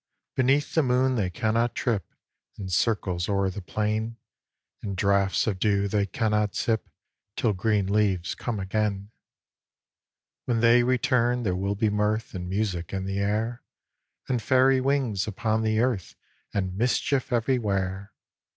Beneath the moon they cannot trip In circles o'er the plain; And draughts of dew they cannot sip, Till green leaves come again._ _When they return there will be mirth, And music in the air, And Fairy wings upon the earth, And mischief everywhere.